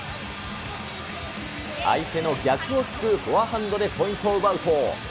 相手の逆をつくフォアハンドでポイントを奪うと。